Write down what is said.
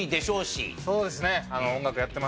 そうですね。